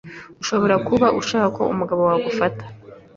ushobora kuba ushaka ko umugabo wawe agufata